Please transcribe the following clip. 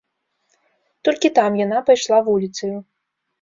Толькі там яна пайшла вуліцаю.